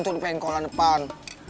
dia pengen ke kolam depan